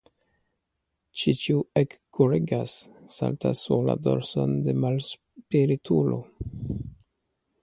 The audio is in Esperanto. Ĉi tiu ekkuregas, saltas sur la dorson de la malspritulo.